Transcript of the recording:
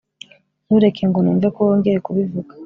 Ntureke ngo numve ko wongeye kubivuga